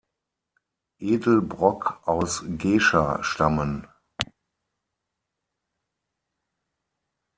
Edelbrock aus Gescher stammen.